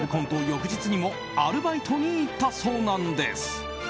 翌日にもアルバイトに行ったそうなんです。